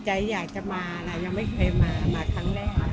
ใจอยากจะมานะยังไม่เคยมามาครั้งแรก